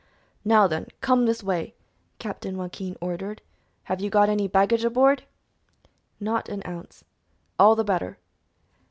"Now, then, come this way!" Captain Joaquin ordered. "Have you got any baggage aboard?" "Not an ounce." "All the better."